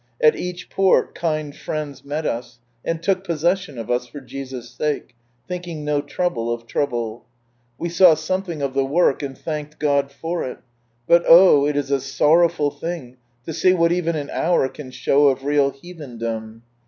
At each port, kind friends met us, and took possession of us, for Jesus' sake ; thinking no trouble of trouble. \\'e saw something of the work, and thanked God for it, but oh it is a sorrowful thing to see what even an hour can show of real heathendom.